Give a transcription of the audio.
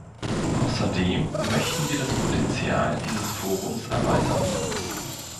Außerdem möchten wir das Potenzial dieses Forums erweitern.